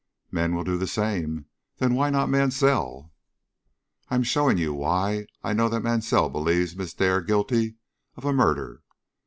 "Men will do the same; then why not Mansell?" "I am showing you why I know that Mansell believes Miss Dare guilty of a murder.